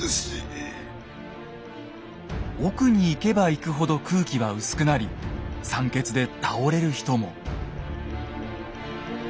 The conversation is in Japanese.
奥に行けば行くほど空気は薄くなり酸欠で倒れる人も。